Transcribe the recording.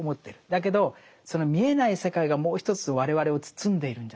だけどその見えない世界がもう一つ我々を包んでいるんじゃないか。